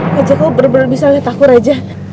raja kau bener bener bisa lihat aku raja